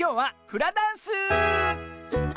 フラダンス